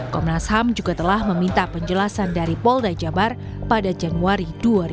komnas ham juga telah meminta penjelasan dari pol dajabar pada januari dua ribu tujuh belas